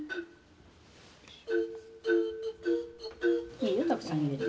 いいよたくさん入れて。